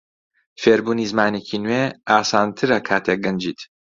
فێربوونی زمانێکی نوێ ئاسانترە کاتێک گەنجیت.